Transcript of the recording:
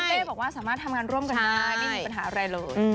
บอกว่าสามารถทำงานร่วมกันได้ไม่มีปัญหาอะไรเลย